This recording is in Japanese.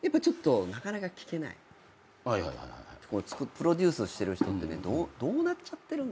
プロデュースしてる人ってどうなっちゃってるんだ？